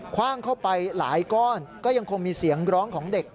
ว่างเข้าไปหลายก้อนก็ยังคงมีเสียงร้องของเด็ก